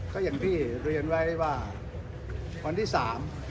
ก็อย่างที่เรียนไว้ว่าวันที่สาม